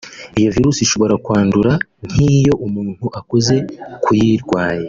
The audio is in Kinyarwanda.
Iyo virusi ishobora kwandura nk’ iyo umuntu akoze k’uyirwaye